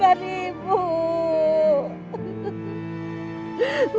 jangan tinggalkan ibu